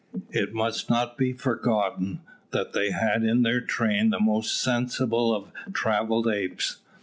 It must not be forgotten that they had in their train the most sensible of travelled apes.